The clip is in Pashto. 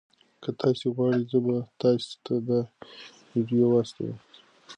که تاسي وغواړئ زه به تاسي ته دا ویډیو واستوم.